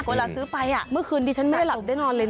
ก็เอา